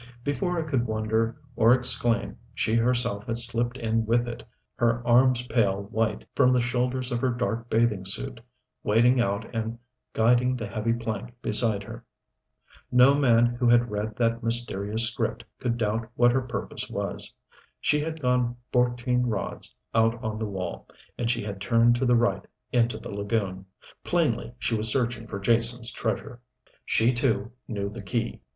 Before I could wonder or exclaim she herself had slipped in with it, her arms pale white from the shoulders of her dark bathing suit, wading out and guiding the heavy plank beside her. No man who had read that mysterious script could doubt what her purpose was. She had gone fourteen rods out on the wall, and then she had turned to the right into the lagoon. Plainly she was searching for Jason's treasure. She, too, knew the key.